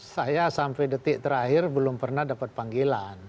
saya sampai detik terakhir belum pernah dapat panggilan